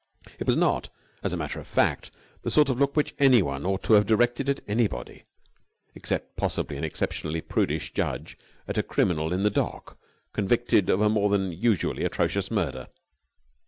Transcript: It was not, as a matter of fact, the sort of look which anyone ought to have directed at anybody except possibly an exceptionally prudish judge at a criminal in the dock, convicted of a more than usually atrocious murder.